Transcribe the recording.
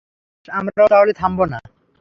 বেশ, আমরাও তাহলে থামবো না।